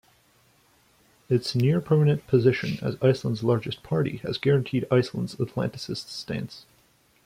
Its near-permanent position as Iceland's largest party has guaranteed Iceland's Atlanticist stance.